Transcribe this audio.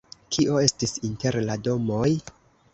Kio estis inter la domoj?